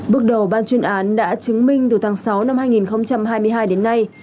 bước đầu ban chuyên án đã chứng minh từ tháng sáu năm hai nghìn hai mươi hai đến nay